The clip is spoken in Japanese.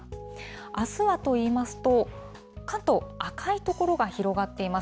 あすはと言いますと、関東、赤い所が広がっています。